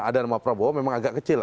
ada nama prabowo memang agak kecil